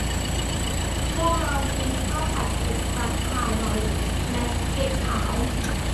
พวกเรากินข้าวผัดเผ็ดกับขาได่และเห็ดขาว